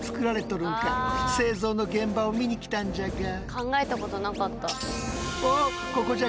考えたことなかった。